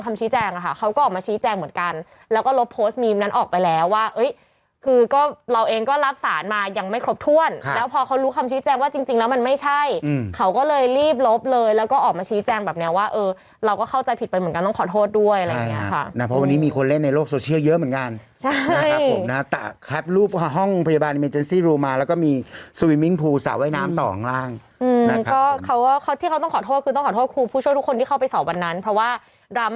คุณชายรบตอนนั้นอ่ะเขาไปปุ๊บแล้วเขารู้สึกว่าสารที่ปัจจุบันเราไปไหว้กันอยู่อ่ะคือคุณชายรบ